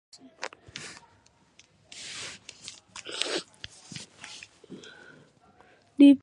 دوی باوري وو چې سیاسي واک د دیکتاتور لاس ته نه ورځي.